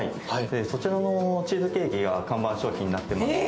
そちらのチーズケーキが看板商品になっていまして。